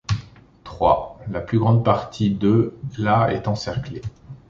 Trois, la plus grande partie de la est encerclée.